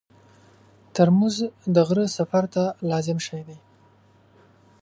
ترموز د غره سفر ته لازم شی دی.